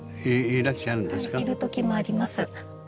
いる時もあります。